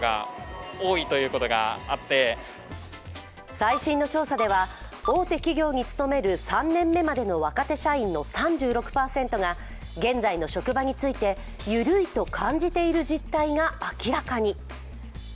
最新の調査では大手企業に勤める３年目までの若手社員の３６％が現在の職場について、ゆるいと感じている実態が明らかに。